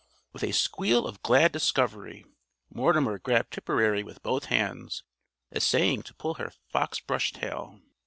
With a squeal of glad discovery, Mortimer grabbed Tipperary with both hands, essaying to pull her fox brush tail.